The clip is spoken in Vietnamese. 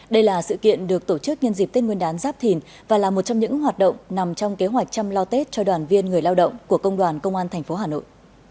đây là sự kiện được tổ chức nhân dịp tết nguyên đán giáp thìn và là một trong những hoạt động nằm trong kế hoạch chăm lo tết cho đoàn viên người lao động của công đoàn công an tp hà nội